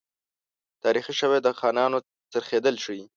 تاریخي شواهد د خانانو خرڅېدل ښيي.